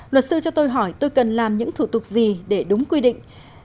luật sư cho tôi hỏi tôi cần làm những thủ tục gì để đúng quy định